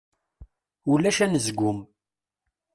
Ulac anezgum.